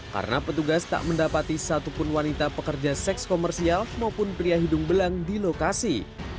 karena petugas tak mendapati satupun wanita pekerja seks komersial maupun pria hidung belang di lokasi